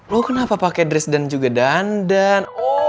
lo kenapa pake dress dan juga dandan